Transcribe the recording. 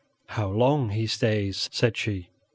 "How long he stays," said she.